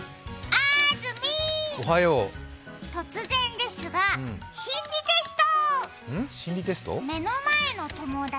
あーずみー、突然ですが、心理テスト！